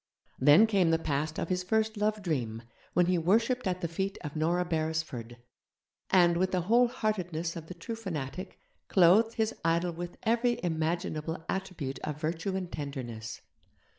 Then came the past of his first love dream, when he worshipped at the feet of Nora Beresford, and, with the whole heartedness of the true fanatic, clothed his idol with every imaginable attribute of virtue and tenderness.